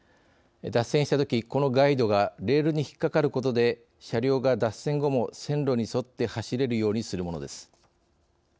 脱線したとき、このガイドがレールに引っ掛かることで車両が脱線後も線路に沿って走れるようにするものです。